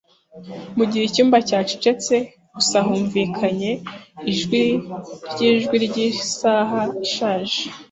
Mugihe icyumba cyacecetse, gusa humvikanye ijwi ryijwi ryisaha ishaje.